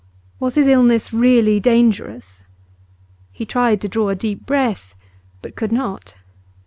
Was his illness really dangerous? He tried to draw a deep breath, but could not.